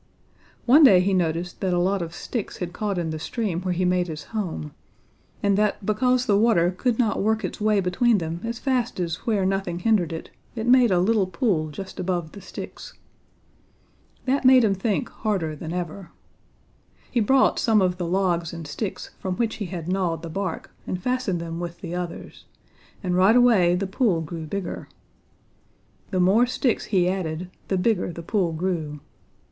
One day he noticed that a lot of sticks had caught in the stream where he made his home, and that because the water could not work its way between them as fast as where nothing hindered it, it made a little pool just above the sticks. That made him think harder than ever. He brought some of the logs and sticks from which he had gnawed the bark and fastened them with the others, and right away the pool grew bigger. The more sticks he added, the bigger the pool grew. Mr.